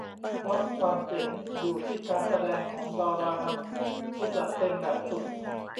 เพราะความเจ๋งอยู่ที่การแสดงของดารานำที่จัดเต็มแบบสุด